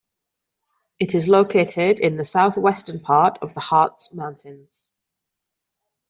It is located in the southwestern part of the Harz mountains.